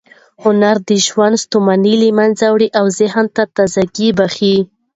هنر د ژوند ستوماني له منځه وړي او ذهن ته تازه ګۍ بښي.